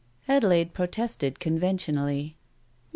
Adelaide protested conventionally.